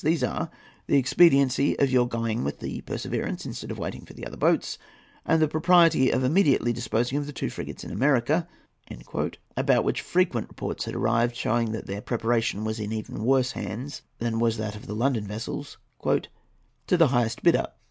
These are, the expediency of your going with the Perseverance, instead of waiting for the other boats, and the propriety of immediately disposing of the two frigates in America"—about which frequent reports had arrived, showing that their preparation was in even worse hands than was that of the London vessels—"to the highest bidder.